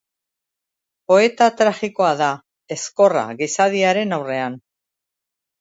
Poeta tragikoa da, ezkorra gizadiaren aurrean.